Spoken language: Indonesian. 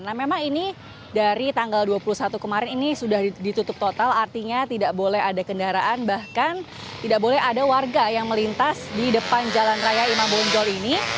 nah memang ini dari tanggal dua puluh satu kemarin ini sudah ditutup total artinya tidak boleh ada kendaraan bahkan tidak boleh ada warga yang melintas di depan jalan raya imam bonjol ini